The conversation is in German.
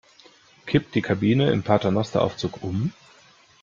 Kippt die Kabine im Paternosteraufzug um?